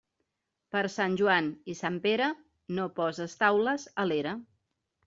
Per Sant Joan i Sant Pere, no poses taules a l'era.